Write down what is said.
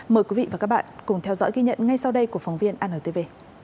mời quý vị và các bạn cùng theo dõi ghi nhận ngay sau đây của phóng viên antv